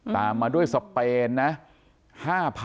ตามมาด้วยสเปนนะ๕๑๐๐ศพ